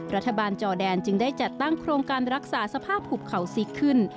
จอแดนจึงได้จัดตั้งโครงการรักษาสภาพหุบเขาซิกขึ้น